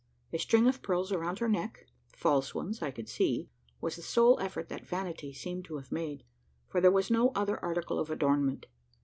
A string of pearls around her neck false ones I could see was the sole effort that vanity seemed to have made: for there was no other article of adornment.